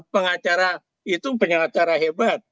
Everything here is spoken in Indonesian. pengacara itu penyelenggara hebat